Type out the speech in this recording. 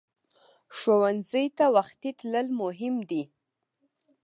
ښوونځی ته وختي تلل مهم دي